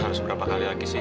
harus berapa kali lagi sih